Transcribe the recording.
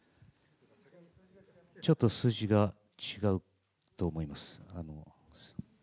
ちょっと数字が違うと思います。